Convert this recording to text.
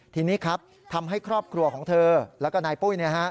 ทีนี้ครับทำให้ครอบครัวของเธอแล้วก็นายปุ้ย